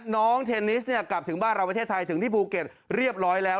เทนนิสเนี่ยกลับถึงบ้านเราประเทศไทยถึงที่ภูเก็ตเรียบร้อยแล้ว